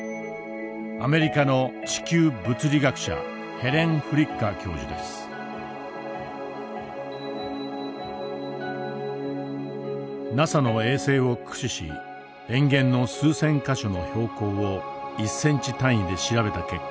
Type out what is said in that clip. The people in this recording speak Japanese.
アメリカのＮＡＳＡの衛星を駆使し塩原の数千か所の標高を１センチ単位で調べた結果